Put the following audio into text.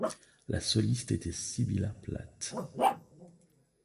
La soliste était Sybilla Plate.